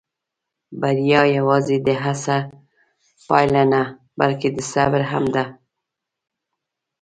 بریا یواځې د هڅې پایله نه، بلکې د صبر هم ده.